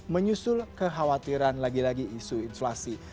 menyusul kekhawatiran lagi lagi isu inflasi